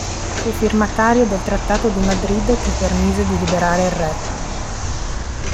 Fu firmatario del trattato di Madrid che permise di liberare il re.